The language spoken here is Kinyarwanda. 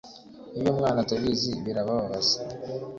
iyo umwana atabizi birababaza